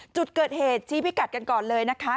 จุดเกิดเหตุชี้พิกัดกันก่อนเลยนะคะ